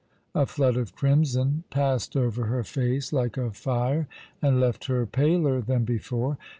A flood of crimson passed over her face like a fire, and left her paler than before.